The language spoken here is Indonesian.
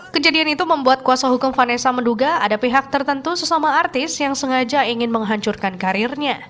kejadian itu membuat kuasa hukum vanessa menduga ada pihak tertentu sesama artis yang sengaja ingin menghancurkan karirnya